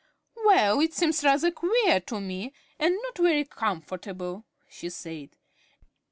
"Well, it seems rather queer to me and not very comfortable," she said.